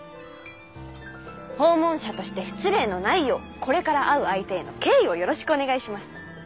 訪問者として失礼のないようこれから会う相手への敬意をよろしくお願いします。